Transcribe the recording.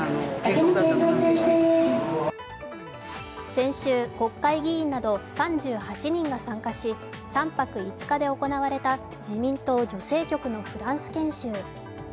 先週、国会議員など３８人が参加し、３泊５日で行われた自民党・女性局のフランス研修。